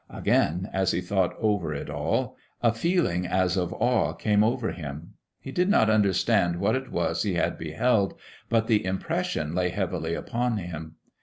Again, as he thought over it all, a feeling as of awe came upon him. He did not understand what it was he had beheld, but the impression lay heavily upon him.